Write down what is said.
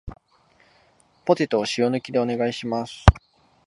ポテトを塩抜きでお願いします